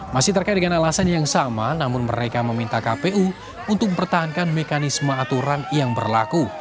masih terkait dengan alasan yang sama namun mereka meminta kpu untuk mempertahankan mekanisme aturan yang berlaku